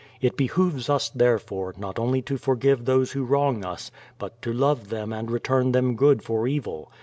It be hooves us, therefore, not only to forgive those who wrong us, but to love them and return them good for evil.